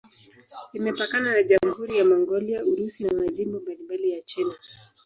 Imepakana na Jamhuri ya Mongolia, Urusi na majimbo mbalimbali ya China.